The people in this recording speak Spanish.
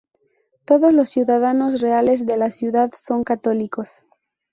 Todos los ciudadanos reales de la ciudad son católicos.